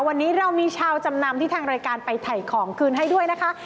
วันนี้เรามีชาวจำนำที่ทางรายการไปถ่ายของคืนให้ด้วยนะคะ